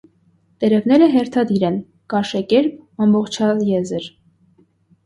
Տերևները հերթադիր են, կաշեկերպ, ամբողջաեզր։